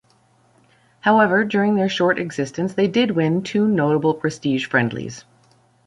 However, during their short existence they did win two notable prestige friendlies.